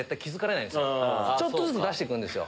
ちょっとずつ出していくんですよ。